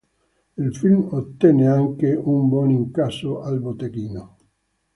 Il film ottenne, anche, un buon incasso al botteghino.